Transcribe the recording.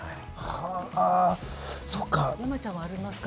ハァ、山ちゃんはありますか？